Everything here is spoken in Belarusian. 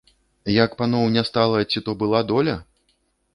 Як паноў не стала, ці то была доля?